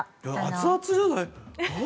熱々じゃない？